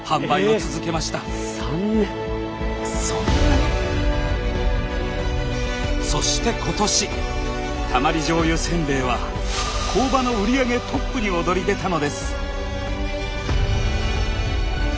そんなに⁉そして今年たまり醤油せんべいは工場の売り上げトップに躍り出たのです。